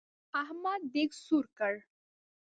احمد دېګ سور کړ.